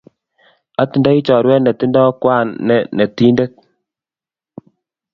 Atindai chorwet ne tindo kwan ne netitndet.